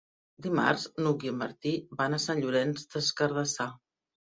Dimarts n'Hug i en Martí van a Sant Llorenç des Cardassar.